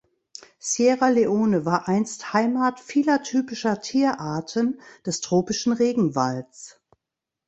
Sierra Leone war einst heimat vieler typischer Tierarten des tropischen Regenwalds.